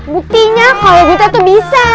buktinya kalau buta tuh bisa